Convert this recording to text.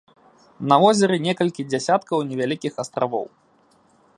На возеры некалькі дзясяткаў невялікіх астравоў.